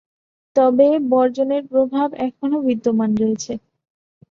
তবে বর্জনের প্রভাব এখনো বিদ্যমান রয়েছে।